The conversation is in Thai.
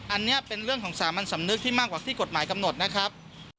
อันนี้เป็นเรื่องของสามัญสำนึกที่มากกว่าที่กฎหมายกำหนดนะครับ